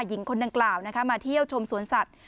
หญิงคนดังกล่าวมาเที่ยวชมสวนสัตว